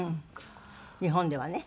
日本ではね。